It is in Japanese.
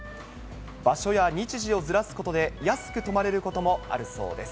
場所や日時をずらすことで、安く泊まれることもあるそうです。